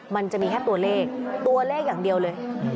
มันจะมีแค่ตัวเลขตัวเลขอย่างเดียวเลย